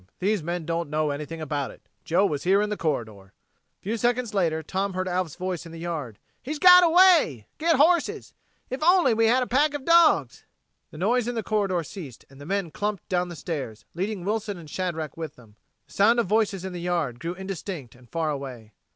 These men don't know anything about it. Joe was here in the corridor." A few seconds later, Tom heard Alf's voice in the yard: "He's got away. Get horses! If we only had a pack of dogs...." The noise in the corridor ceased, and the men clumped down the stairs, leading Wilson and Shadrack with them. The sound of voices in the yard grew indistinct and far away.